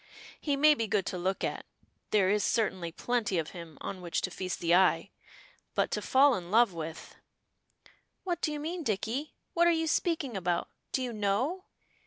He may be good to look at, there is certainly plenty of him on which to feast the eye, but to fall in love with " "What do you mean, Dicky? What are you speaking about do you know?